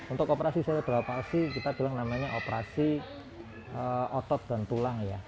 untuk operasi cerebral palsy kita bilang namanya operasi otot dan tulang